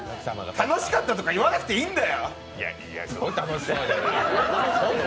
楽しかったなんて言わなくていいんだよ。